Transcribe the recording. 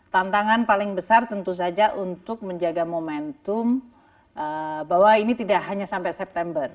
tantangan paling besar tentu saja untuk menjaga momentum bahwa ini tidak hanya sampai september